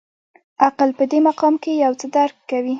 عقل په دې مقام کې یو څه درک کوي.